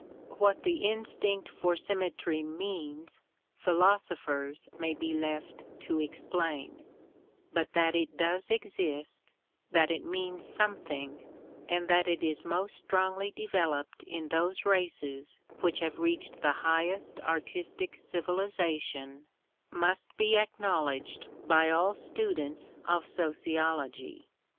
What the instinct for symmetry means, philosophers may be left to explain; but that it does exist, that it means something, and that it is most strongly developed in those races which have reached the highest artistic civilization, must be acknowledged by all students of sociology.